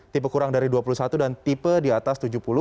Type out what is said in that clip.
tipe kurang dari dua puluh satu dan tipe di atas tujuh puluh